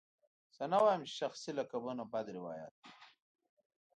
زه نه وایم چې شخصي لقبونه بد روایت دی.